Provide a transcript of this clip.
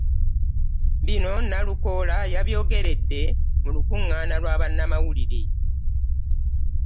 Bino Nalukoola yabyogeredde mu lukungaana lwa bannamawulire